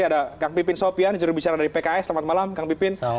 ada kang pipin sopian jurubicara dari pks selamat malam kang pipin